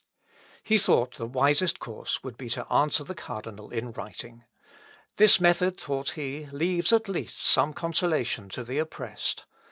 He thought the wisest course would be to answer the cardinal in writing. This method, thought he, leaves at least some consolation to the oppressed.